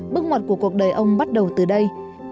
bước ngoặt của cuộc đời ông bắt đầu từ đây